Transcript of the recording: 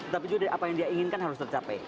tapi juga apa yang dia inginkan harus tercapai